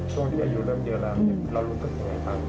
ช่วงที่อายุเริ่มเยอะแล้วเรารู้สึกยังไงบ้าง